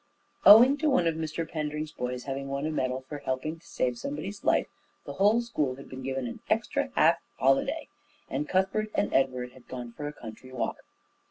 Owing to one of Mr Pendring's boys having won a medal for helping to save somebody's life, the whole school had been given an extra half holiday, and Cuthbert and Edward had gone for a country walk.